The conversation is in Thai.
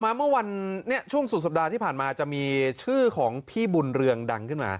เมื่อวันช่วงสุดสัปดาห์ที่ผ่านมาจะมีชื่อของพี่บุญเรืองดังขึ้นมา